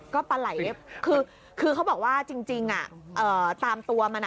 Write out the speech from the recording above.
ก็ปลาไหล่คือเขาบอกว่าจริงตามตัวมัน